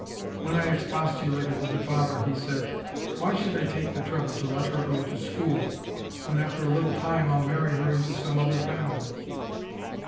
When I expostulated with the father, he said, "Why should I take the trouble to let her go to school, when after a little time I'll marry her into some other family?"